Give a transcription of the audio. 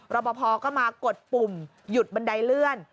รอปภก็มากดปุ่มหยุดบันไดเลื่อน